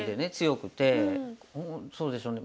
もうそうですよね